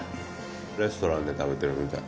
レストランで食べてるみたい。